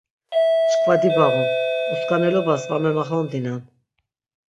Çkva dibağun, uskanelobas va memaxondinen.